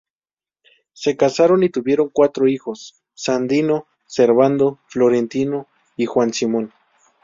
Se casaron y tuvieron cuatro hijos: Sandino, Servando, Florentino y Juan Simón.